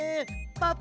パパ。